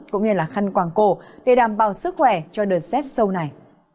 cũng như khăn quảng cổ để đảm bảo sức khỏe cho đợt xét sâu này